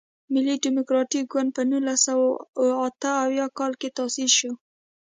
ملي ډیموکراتیک ګوند په نولس سوه اته اویا کال کې تاسیس شو.